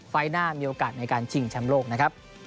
หน้ามีโอกาสในการชิงแชมป์โลกนะครับ